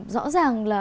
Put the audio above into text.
rõ ràng là